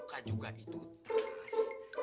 buka juga itu tas